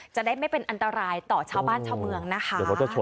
จะได้ไม่เป็นอันตรายต่อชาวบ้านชาวเมืองนะคะ